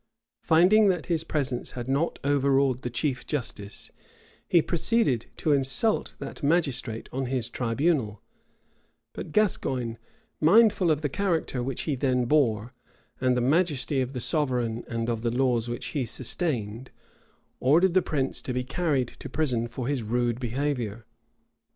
Finding that his presence had not overawed the chief justice, he proceeded to insult that magistrate on his tribunal; but Gascoigne, mindful of the character which he then bore, and the majesty of the sovereign and of the laws which he sustained, ordered the prince to be carried to prison for his rude behavior.